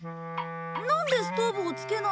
なんでストーブをつけないの？